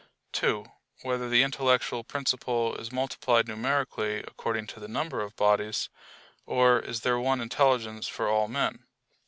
(2) Whether the intellectual principle is multiplied numerically according to the number of bodies; or is there one intelligence for all men?